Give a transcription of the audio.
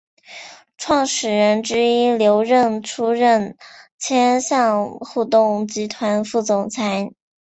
创始人之一刘韧出任千橡互动集团副总裁。